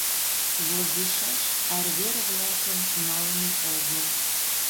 — Возышаш арвер-влакым налме огыл...